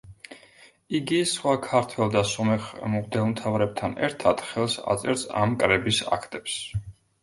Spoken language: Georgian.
იგი, სხვა ქართველ და სომეხ მღვდელმთავრებთან ერთად, ხელს აწერს ამ კრების აქტებს.